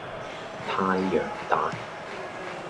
太陽蛋